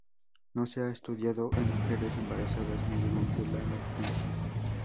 No se ha estudiado en mujeres embarazadas ni durante la lactancia.